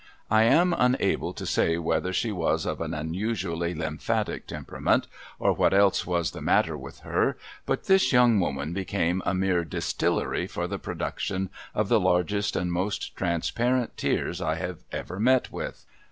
I am unable to say whether she was of an unusually lymphatic temperament, or what else was the matter with her, but this young woman became a mere Distillery for the pro duction of the largest and most transparent tears I ever met with.